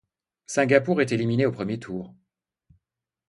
Singapour est éliminé au premier tour.